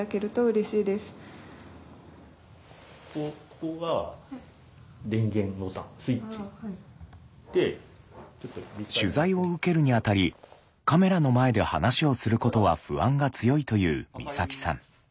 この作文は取材を受けるにあたりカメラの前で話をすることは不安が強いという光沙季さん。